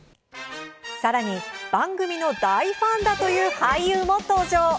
さらに、番組の大ファンだという俳優も登場。